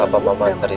lama mama antarin